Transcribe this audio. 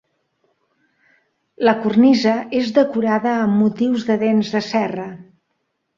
La cornisa és decorada amb motius de dents de serra.